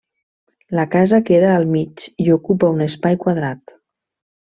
La casa queda al mig i ocupa un espai quadrat.